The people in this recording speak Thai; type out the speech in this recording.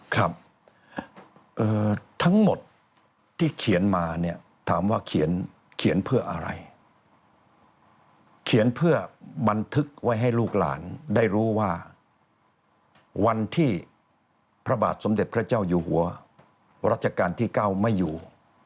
ครับทั้งหมดที่เขียนมาเนี่ยถามว่าเขียนเพื่ออะไรเขียนเพื่อบันทึกไว้ให้ลูกหลานได้รู้ว่าวันที่พระบาทสมเด็จพระเจ้าอยู่หัวรัชกาลที่๙ไม่อยู่